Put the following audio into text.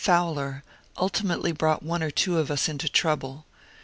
Fowler, ultimately brought one or two of us into trouble.